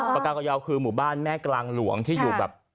ปากกากยาวคือหมู่บ้านแม่กลางหลวงที่อยู่แบบ